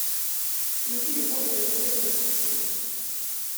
იგი იყო დიდებული ოჯახის შვილი.